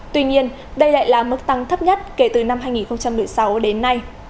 tuy nhiên đây lại là mức tăng thấp nhất kể từ năm hai nghìn một mươi sáu đến nay